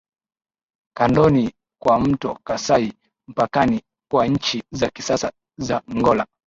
kandoni kwa mto Kasai mpakani kwa nchi za kisasa za Angola